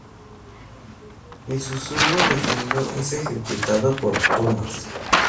El susurro de fondo es ejecutado por Tuomas.